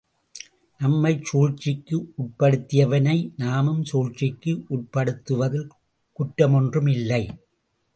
நம்மைச் சூழ்ச்சிக்கு உட்படுத்தியவனை நாமும் சூழ்ச்சிக்கு உட்படுத்துவதில் குற்றமொன்றும் இல்லை.